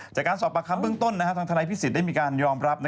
จากการสอบประคำเบื้องต้นทางทนายพิสิทธิได้มีการยอมรับ